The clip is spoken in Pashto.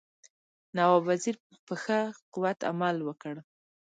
نواب وزیر په ښه قوت عمل وکړ.